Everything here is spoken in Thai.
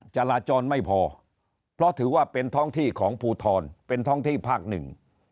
จราจรไม่พอเพราะถือว่าเป็นท้องที่ของภูทรเป็นท้องที่ภาคหนึ่ง